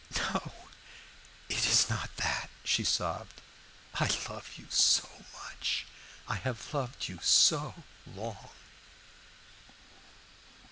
"No, it is not that!" she sobbed. "I love you so much I have loved you so long!"